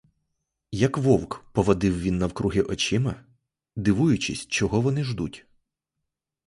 Як вовк, поводив він навкруги очима, дивуючись, чого вони ждуть.